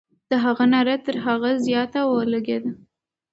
د هغې ناره تر غسي زیاته ولګېده.